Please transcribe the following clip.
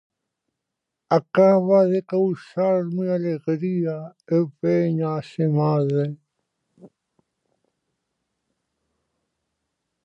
Acaba de causarme alegría e pena asemade.